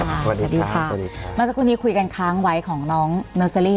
สวัสดีค่ะสวัสดีเมื่อสักครู่นี้คุยกันค้างไว้ของน้องเนอร์เซอรี่